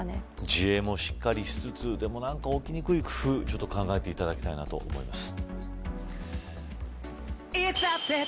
自衛もしっかりしつつでも、何か起きにくい工夫考えていただきたいと思います。